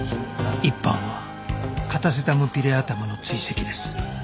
一班はカタセタムピレアタムの追跡です